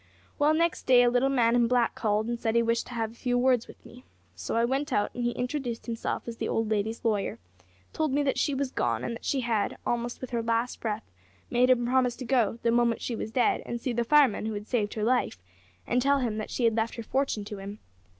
Well, next day a little man in black called, and said he wished to have a few words with me. So I went out, and he introduced himself as the old lady's lawyer, told me that she was gone, and that she had, almost with her last breath, made him promise to go, the moment she was dead, and see the fireman who had saved her life, and tell him that she had left her fortune to him.